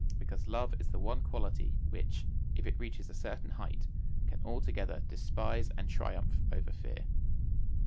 Because love is the one quality which, if it reaches a certain height, can altogether despise and triumph over fear.